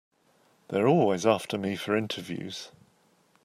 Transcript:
They're always after me for interviews.